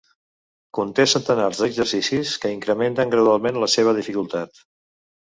Conté centenars d'exercicis que incrementen gradualment la seva dificultat.